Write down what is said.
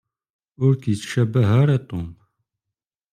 Ur k-yettcabah ara Tom.